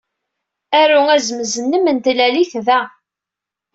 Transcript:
Aru azemz-nnem n tlalit da.